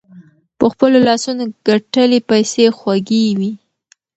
په خپلو لاسونو ګتلي پیسې خوږې وي.